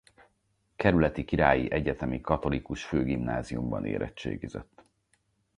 Kerületi Királyi Egyetemi Katolikus Főgimnáziumban érettségizett.